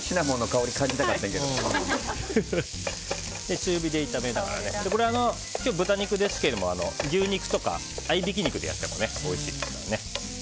中火で炒めながら今日は豚肉ですけど牛肉とか合いびき肉でやってもおいしいですからね。